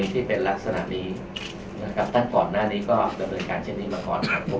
ที่เป็นลักษณะนี้นะครับตั้งก่อนหน้านี้ก็ดำเนินการเช่นนี้มาก่อนครับผม